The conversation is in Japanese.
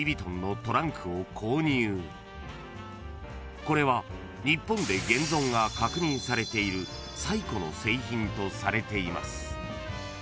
［これは日本で現存が確認されている最古の製品とされています］